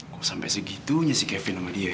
kok sampai segitunya sih kevin sama dia